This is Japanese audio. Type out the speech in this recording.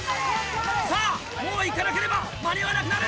さぁもう行かなければ間に合わなくなる！